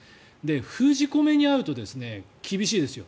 封じ込めに遭うと厳しいですよ。